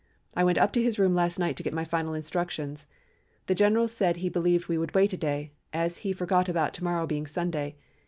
I went up to his room last night to get my final instructions. The general said he believed we would wait a day, as he forgot about to morrow being Sunday.